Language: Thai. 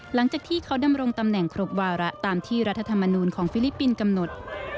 หลังจากที่เขาดำรงตำแหน่งครบวาระตามที่รัฐธรรมนูลของฟิลิปปินส์กำหนด